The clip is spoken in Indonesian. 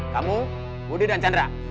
kamu budi dan chandra